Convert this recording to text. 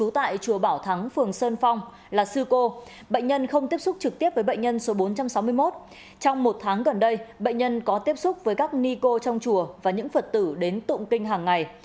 trong một tháng gần đây bệnh nhân có tiếp xúc với các ni cô trong chùa và những vật tử đến tụng kinh hàng ngày